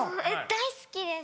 大好きです。